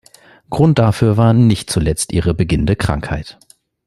Grund dafür war nicht zuletzt ihre beginnende Krankheit.